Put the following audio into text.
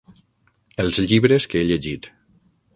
Els llibres que he llegit.